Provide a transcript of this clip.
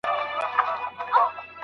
د نکاح هدفونه بايد د چا څخه پټ نه وي.